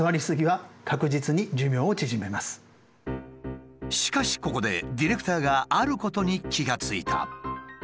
何か今しかしここでディレクターがあることに気が付いた。